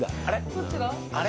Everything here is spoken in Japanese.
どっちだ？